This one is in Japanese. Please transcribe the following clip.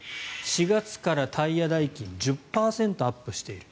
４月からタイヤ代金１０％アップしている。